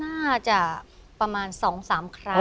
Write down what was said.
น่าจะประมาณ๒๓ครั้ง